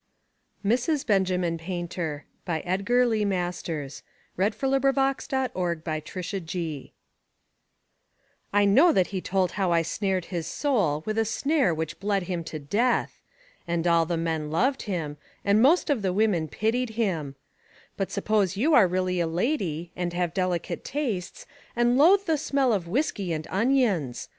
ers Mrs benjamin Painter I KNOW that he told how I snared his soul With a snare which bled him to death. And all the men loved him, And most of the women pitied him. But suppose you are really a lady, and have delicate tastes, And loathe the smell of whisky and onions.